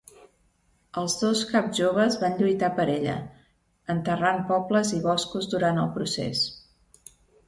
Els dos caps joves van lluitar per ella, enterrant pobles i boscos durant el procés.